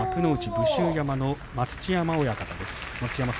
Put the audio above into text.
武州山の待乳山親方です。